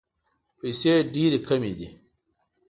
پیسې ډېري کمي دي.